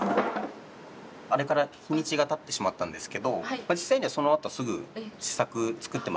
あれから日にちがたってしまったんですけど実際にはそのあとすぐ試作作ってまして。